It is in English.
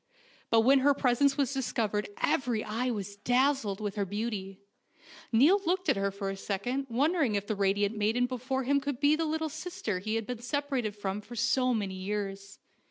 But when her presence was discovered every eye was dazzled with her beauty. Niall looked at her for a second, won dering if the radiant maiden before him could be the little sister he had been separated from for so many years.